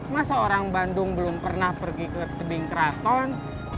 masa orang bandung belum pernah pergi ke telingkraton